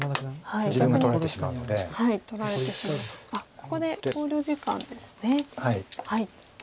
ここで考慮時間ですね。